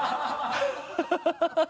ハハハ